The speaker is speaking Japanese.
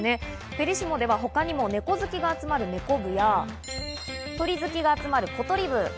フェリシモでは他にも猫好きが集まる猫部や、鳥好きが集まる小鳥部。